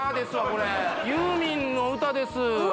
これユーミンの歌です